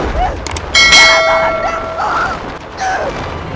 jangan lakukan itu